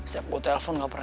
setiap gue telepon gak apa apa